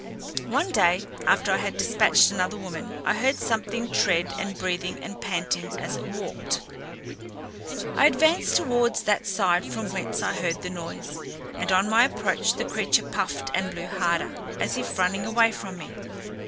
One day after I had dispatched another woman, I heard something tread, and breathing or panting as it walked. I advanced towards that side from whence I heard the noise, and on my approach the creature puffed and blew harder, as if running away from me.